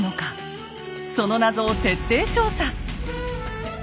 その謎を徹底調査！